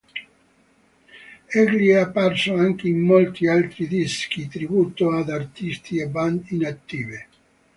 Egli è apparso anche in molti altri dischi tributo ad artisti e band inattive.